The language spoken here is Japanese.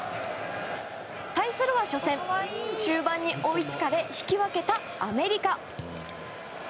対するは初戦、終盤に追いつかれ引き分けたアメリカ。